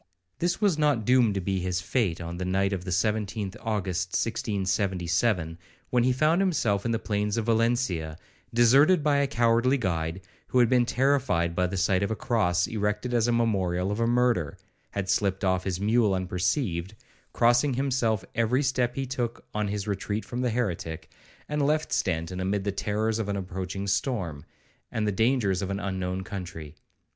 This was not doomed to be his fate on the night of the 17th August 1677, when he found himself in the plains of Valencia, deserted by a cowardly guide, who had been terrified by the sight of a cross erected as a memorial of a murder, had slipped off his mule unperceived, crossing himself every step he took on his retreat from the heretic, and left Stanton amid the terrors of an approaching storm, and the dangers of an unknown country.